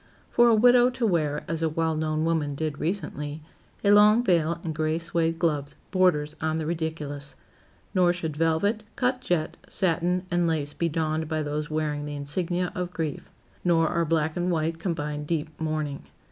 For a widow to wear, as a well known woman did recently, a long veil and gray suède gloves, borders on the ridiculous. Nor should velvet, cut jet, satin and lace be donned by those wearing the insignia of grief. Nor are black and white combined deep mourning.